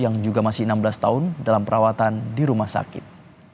sementara untuk satu korban lain aps yang juga masih enam belas tahun dalam perawatan di rumah sakit